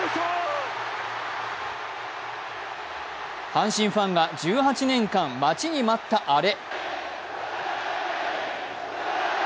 阪神ファンが１８年間、待ちに待ったアレ。